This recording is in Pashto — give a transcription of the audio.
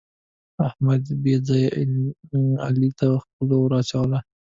احمد بې ځایه علي ته خوله ور واچوله.